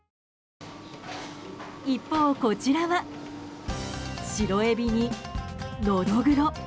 一方、こちらは白エビにノドグロ。